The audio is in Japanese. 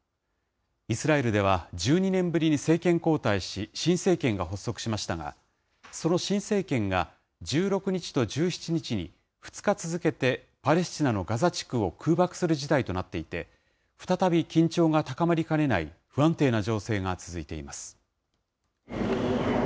イスラエルでは１２年ぶりに政権交代し、新政権が発足しましたが、その新政権が、１６日と１７日に２日続けてパレスチナのガザ地区を空爆する事態となっていて、再び緊張が高まりかねない不安定な情勢が続いています。